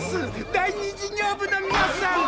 第２事業部のみなさん！